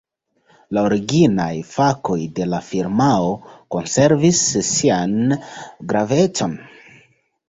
La originaj fakoj de la firmao konservis sian gravecon.